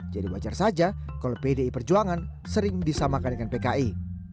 jadi wajar saja kalau pdi perjuangan sering disamakan dengan pki